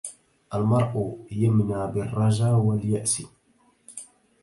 المرء يمنى بالرجا والياس